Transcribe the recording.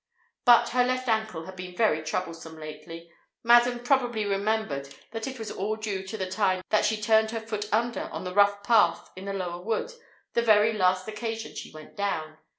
But her left ankle had been very troublesome lately; Madam probably remembered that it was all due to the time she turned her foot under on the rough path in the lower wood the very last occasion she went down.